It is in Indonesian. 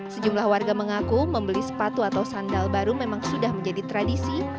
sejumlah warga mengaku membeli sepatu atau sandal baru memang sudah menjadi tradisi